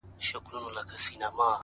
سیاه پوسي ده _ ورځ نه ده شپه ده _